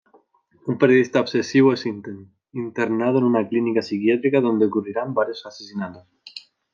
Un periodista obsesivo es internado en una clínica psiquiátrica donde ocurrirán varios asesinatos.